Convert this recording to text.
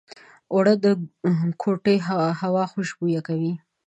اوړه د کوټې هوا خوشبویه کوي